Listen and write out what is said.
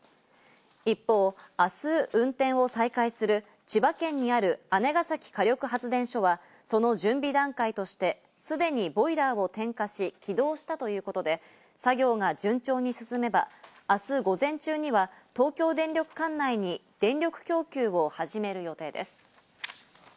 一方、明日運転を再開する千葉県にある姉崎火力発電所はその準備段階としてすでにボイラーを点火し、起動したということで、作業が順調に進めば、明日午前中には東京電力管内に電力供給を始める予定です。